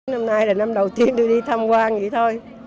năm nay là năm đầu tiên tôi đi thăm quan vậy thôi